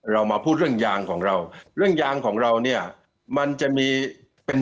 เรามาพูดเรื่องยางของเราเรื่องยางของเราเนี่ยมันจะมีเป็น